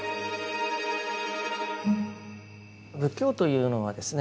仏教というのはですね